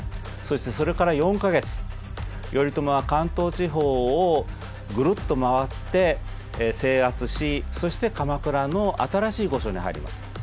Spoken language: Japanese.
そしてそれから４か月頼朝は関東地方をぐるっと回って制圧しそして鎌倉の新しい御所に入ります。